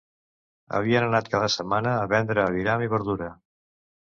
Havien anat cada setmana a vendre aviram i verdura